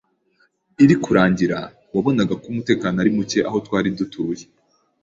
iri kurangira wabonaga ko umutekano ari muke aho twari dutuye